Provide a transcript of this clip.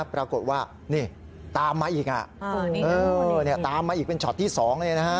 ปรากฏว่านี่ตามมาอีกตามมาอีกเป็นช็อตที่๒เลยนะฮะ